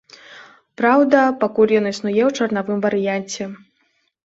Праўда, пакуль ён існуе ў чарнавым варыянце.